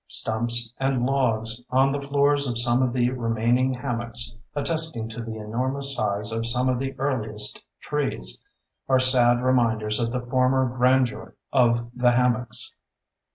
Stumps and logs on the floors of some of the remaining hammocks, attesting to the enormous size of some of the earlier trees, are sad reminders of the former grandeur of the hammocks.